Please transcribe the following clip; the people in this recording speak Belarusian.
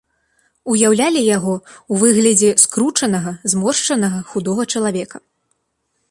Уяўлялі яго ў выглядзе скручанага, зморшчанага худога чалавека.